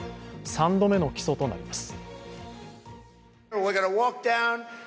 ３度目の起訴となります。